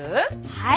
はい？